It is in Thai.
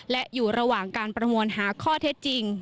และอยู่ระหว่างการประมวลหาข้อเท็จจริง